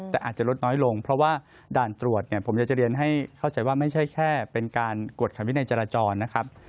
แต่อาจจะลดน้อยลงเพราะว่าด่านตรวจเนี่ยผมอยากจะเรียนให้เข้าใจว่าไม่ใช่แค่เป็นการกวดขันวินัยจราจรนะครับ